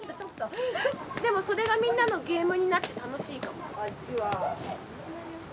でもそれがみんなのゲームになって楽しいかも。